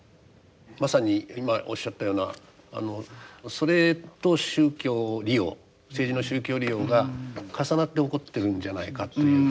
まさに今おっしゃったようなそれと宗教利用政治の宗教利用が重なって起こってるんじゃないかというふうに。